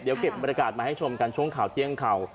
เดี๋ยวเก็บบรรยากาศมาให้ชมกันช่วงข่าวเที่ยงข่าว